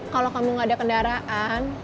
kalau kamu nggak ada kendaraan